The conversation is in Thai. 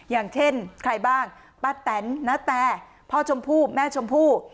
อย่างเช่นใครบ้างป้าแตนณแต่พ่อชมพู่แม่ชมพู่